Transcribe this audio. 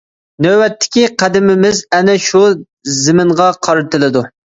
نۆۋەتتىكى قەدىمىمىز ئەنە شۇ زېمىنغا قارىتىلىدۇ.